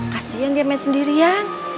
kasian dia main sendirian